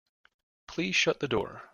Please shut the door.